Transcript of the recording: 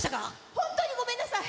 本当にごめんなさい。